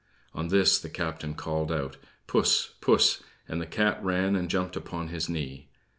On this, the captain called out: "Puss, puss!" and the cat ran and jumped upon his knee.